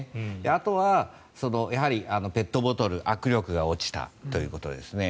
あとは、ペットボトル握力が落ちたということですね。